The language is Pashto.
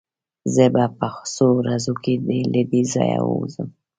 زه به په څو ورځو کې له دې ځايه ووځم.